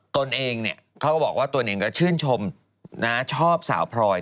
ตนเองเนี่ยเขาก็บอกว่าตัวเองก็ชื่นชมนะชอบสาวพลอย